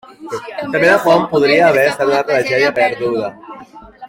També la font podria haver estat una tragèdia perduda.